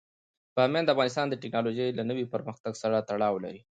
بامیان د افغانستان د تکنالوژۍ له نوي پرمختګ سره تړاو لري.